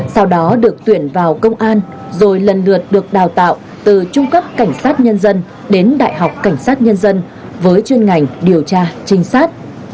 sau đó được tuyển vào công an rồi lần lượt được đào tạo từ trung cấp cảnh sát nhân dân đến đại học cảnh sát nhân dân với chuyên ngành điều tra trinh sát